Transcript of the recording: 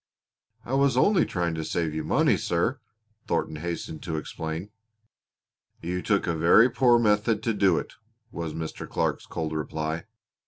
"I was only trying to save you money, sir," Thornton hastened to explain. "You took a very poor method to do it," was Mr. Clark's cold reply.